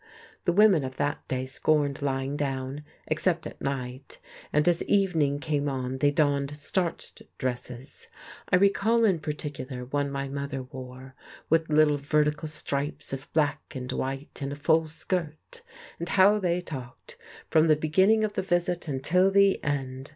The women of that day scorned lying down, except at night, and as evening came on they donned starched dresses; I recall in particular one my mother wore, with little vertical stripes of black and white, and a full skirt. And how they talked, from the beginning of the visit until the end!